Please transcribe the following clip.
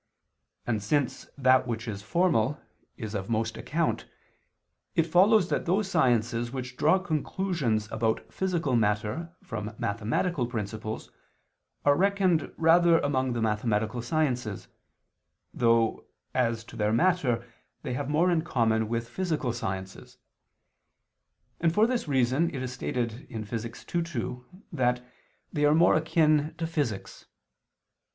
And since that which is formal, is of most account, it follows that those sciences which draw conclusions about physical matter from mathematical principles, are reckoned rather among the mathematical sciences, though, as to their matter they have more in common with physical sciences: and for this reason it is stated in Phys. ii, 2 that they are more akin to physics.